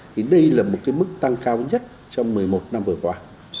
thì đây là một cái mức tăng cao nhất trong một mươi một năm vừa qua